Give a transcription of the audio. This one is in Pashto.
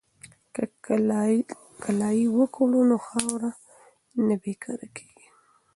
که کلالي وکړو نو خاوره نه بې کاره کیږي.